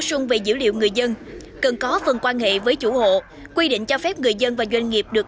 sung về dữ liệu người dân cần có phần quan hệ với chủ hộ quy định cho phép người dân và doanh nghiệp được